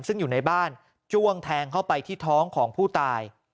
ซึ่งอยู่ในบ้านจ้วงแทงเข้าไปที่ท้องของผู้ตาย